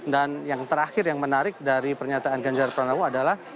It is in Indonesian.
dan yang terakhir yang menarik dari pernyataan ganjar pranowo adalah